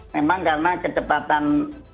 memang karena kecepatan